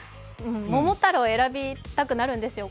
桃太郎を選びたくなるんですよ。